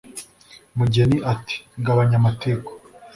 mugeni ati 'gabanya amatiku